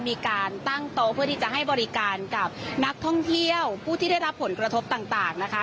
มีการตั้งโต๊ะเพื่อที่จะให้บริการกับนักท่องเที่ยวผู้ที่ได้รับผลกระทบต่างนะคะ